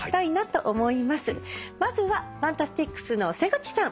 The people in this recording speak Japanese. まずはＦＡＮＴＡＳＴＩＣＳの瀬口さん